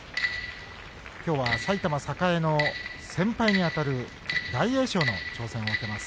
きょうは埼玉栄の先輩にあたる大栄翔の挑戦を受けます。